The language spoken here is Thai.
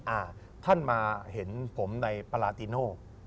อ่าท่านมาเห็นผมในปราติโน่